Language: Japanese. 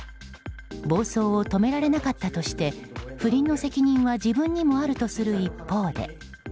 暴走を止められなかったとして不倫の責任は自分にもあるとする一方で。